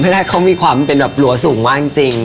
แรกเขามีความเป็นแบบรั้วสูงมากจริง